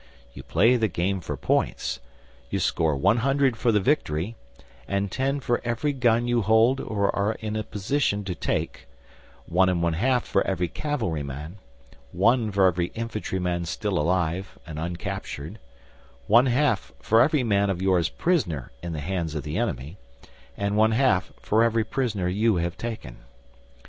You play the game for points; you score 100 for the victory, and 10 for every gun you hold or are in a position to take, 1 1/2 for every cavalry man, 1 for every infantry man still alive and uncaptured, 1/2 for every man of yours prisoner in the hands of the enemy, and 1/2 for every prisoner you have taken.